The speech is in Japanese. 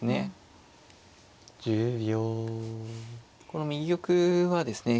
この右玉はですね